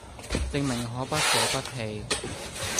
證明可不捨不棄